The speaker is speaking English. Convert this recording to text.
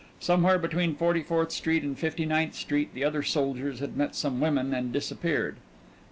Somewhere between Forty fourth Street and Fifty ninth Street the other soldiers had met some women and disappeared.